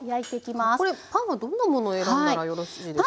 これパンはどんなものを選んだらよろしいですか？